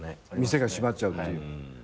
店が閉まっちゃうっていう。